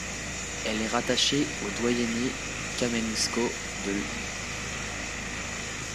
Elle est rattachée au doyenné Kamenskoe de l'.